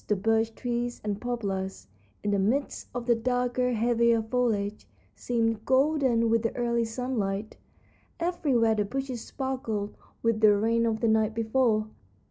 The birch trees and poplars, in the midst of the darker, heavier foliage, seemed golden with the early sunlight. Everywhere the bushes sparkled with the rain of the night before.